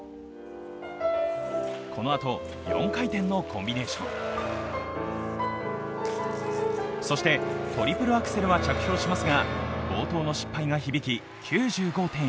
このあと４回転のコンビネーションそしてトリプルアクセルは着氷しますが、冒頭の失敗が響き９５．１５。